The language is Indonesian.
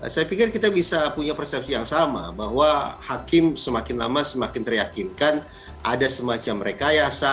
saya pikir kita bisa punya persepsi yang sama bahwa hakim semakin lama semakin teryakinkan ada semacam rekayasa